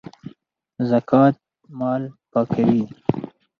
زکات مال پاکوي